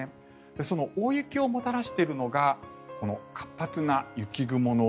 その大雪をもたらしているのがこの活発な雪雲の帯。